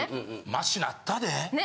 マシなったで。